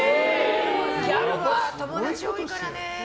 ギャルは友達多いからね。